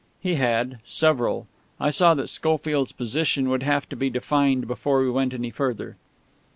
He had. Several. I saw that Schofield's position would have to be defined before we went any further.